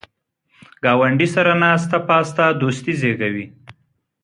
ګاونډي سره ناسته پاسته دوستي زیږوي